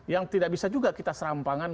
yang tidak bisa juga kita serampangan